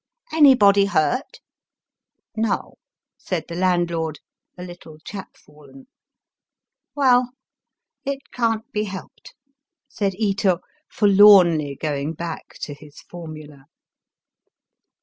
'' Anybody hurt ?"^^ No," said the landlord, a little chap fallen. *^Well, it can't be helped," said Ito, forlornly going back to his formula.